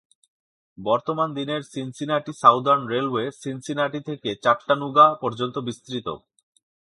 বর্তমান-দিনের Cincinnati southern railway Cincinnati থেকে চাট্টানুগা পর্যন্ত বিস্তৃত।